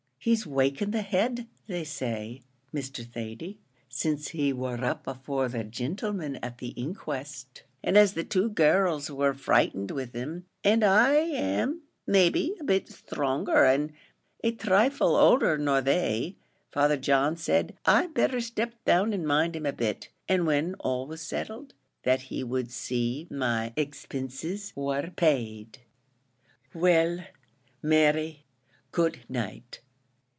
He's wake in the head, they say, Mr. Thady, since he war up afore the gintlemen at the inquest; an' as the two girls wor frighted with 'im, an' as I am, maybe, a bit sthronger, an' a thrifle owlder nor they, Father John said I'd better step down an' mind him a bit; an' when all was settled, that he would see my expinses war paid." "Well, Mary, good night!